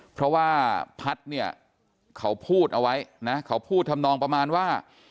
เพราะว่าพัฒน์เนี่ยเขาพูดเอาไว้นะเขาพูดทำนองประมาณว่า